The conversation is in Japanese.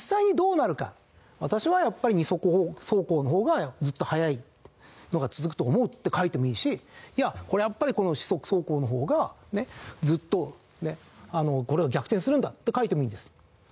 「私はやっぱり二足走行の方がずっと速いのが続くと思う」って書いてもいいし「いやこれやっぱりこの四足走行の方がずっとこれは逆転するんだ」って書いてもいいんです。